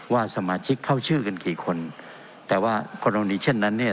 ว่าสมาชิกเข้าชื่อกันกี่คนแต่ว่ากรณีเช่นนั้นเนี่ย